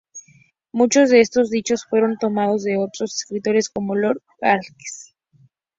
Muchos de estos dichos fueron tomados de otros escritores como, Lord Halifax.